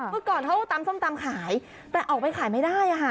เมื่อก่อนเขาตำส้มตำขายแต่ออกไปขายไม่ได้ค่ะ